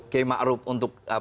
kei ma'ruf untuk